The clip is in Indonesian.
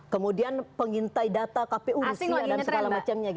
kemudian pengintai data kpu rusia dan segala macamnya